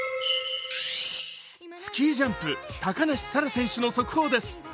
スキージャンプ・高梨沙羅選手の速報です。